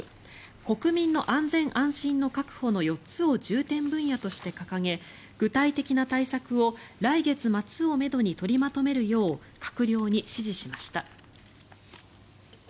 国民の安全安心の確保の４つを重点分野として掲げ具体的な対策を来月末をめどに取りまとめるよう閣僚に指示しました。